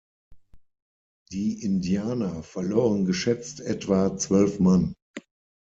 Die Indianer verloren geschätzt etwa zwölf Mann.